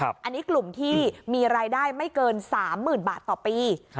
อันนี้กลุ่มที่มีรายได้ไม่เกิน๓๐๐๐บาทต่อปี